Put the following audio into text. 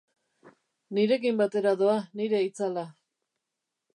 Nirekin batera doa nire itzala.